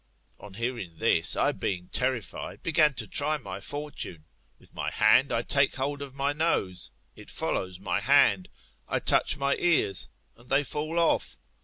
On hearing this, I, being terrified, began to try my fortune.^^ With my hand I take hold of my nose, it follows my hand; I touch my ears, and they fall off.